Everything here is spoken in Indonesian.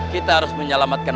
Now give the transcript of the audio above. kita harus menyelamatkan